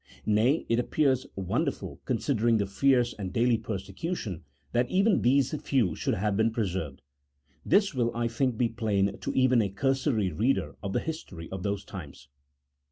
Nay, it appears wonderful considering the fierce and daily persecution, that even these few should have been preserved. This will, I think, be plain to even a cursory reader of the history of those times.